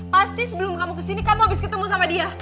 pasti sebelum kamu kesini kamu habis ketemu sama dia